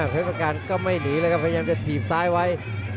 เพชรประการก็ไม่หนีเลยครับพยายามจะถีบซ้ายไว้